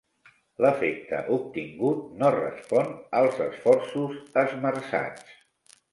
L'efecte obtingut no respon als esforços esmerçats.